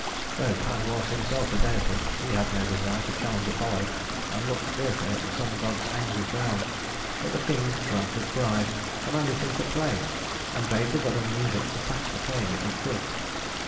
Though Pan was himself a deity, he had no desire to challenge Apollo, and looked fearfully at the sun god's angry frown; but the king, drunk with pride, commanded him to play, and bade the god of music surpass the playing if he could.